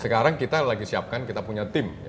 sekarang kita lagi siapkan kita punya tim